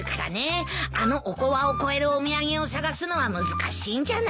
あのおこわを超えるお土産を探すのは難しいんじゃない？